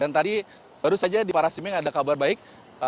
dan tadi baru saja di parasiming ada kabar baik